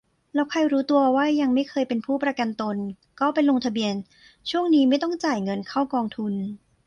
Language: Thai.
แล้วใครรู้ตัวว่ายังไม่เคยเป็นผู้ประกันตน ก็ไปลงทะเบียน ช่วงนี้ไม่ต้องจ่ายเงินเข้ากองทุน